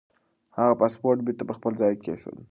هغه پاسپورت بېرته پر خپل ځای کېښود.